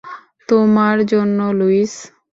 তোমার জন্য, লুইস।